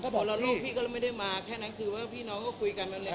คนละโลกพี่ก็ไม่ได้มาแค่นั้นคือว่าพี่น้องก็คุยกัน